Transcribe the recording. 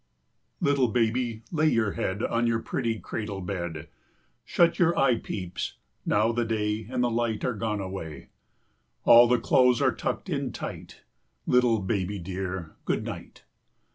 Little baby, lay your head On your pretty cradle bed; Shut your eye peeps, now the day And the light are gone away; All the clothes are tucked in tight; Little baby dear, good night.